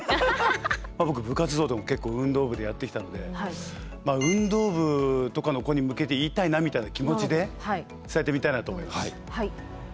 僕部活動でも結構運動部でやってきたので運動部とかの子に向けて言いたいなみたいな気持ちで伝えてみたいなと思います。